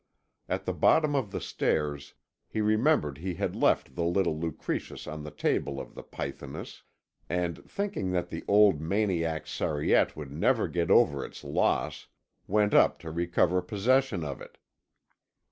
At the bottom of the stairs he remembered he had left the little Lucretius on the table of the pythoness, and, thinking that the old maniac Sariette would never get over its loss, went up to recover possession of it.